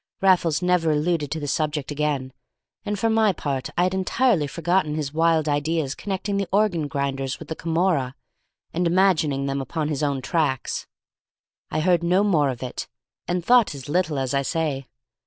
Raffles never alluded to the subject again, and for my part I had entirely forgotten his wild ideas connecting the organ grinders with the Camorra, and imagining them upon his own tracks. I heard no more of it, and thought as little, as I say.